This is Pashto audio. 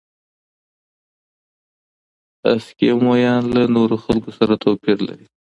اسکیمویان له نورو خلکو سره توپیر لري.